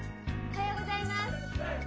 おはようございます。